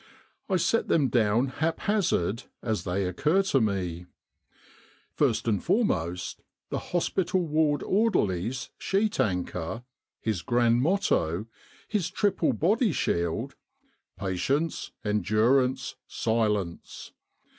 I set them down haphazard as they occur to me :" First and foremost, the hospital ward orderly's sheet anchor, his grand motto, his triple body shield * Patience, Endurance, Silence.'